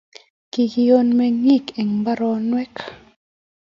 Kikiyon Meng'ik eng mbarengwai